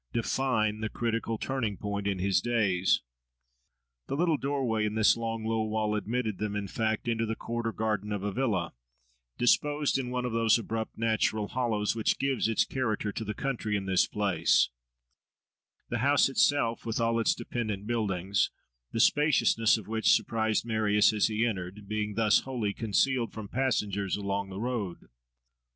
define the critical turning point in his days? The little doorway in this long, low wall admitted them, in fact, into the court or garden of a villa, disposed in one of those abrupt natural hollows, which give its character to the country in this place; the house itself, with all its dependent buildings, the spaciousness of which surprised Marius as he entered, being thus wholly concealed from passengers along the road.